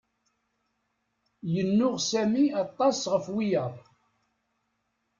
Yennuɣ Sami aṭas ɣef wiyaḍ.